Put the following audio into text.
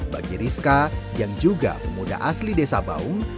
bagi rizka yang juga pemuda asli desa baung